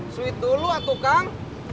sweet dulu aku kang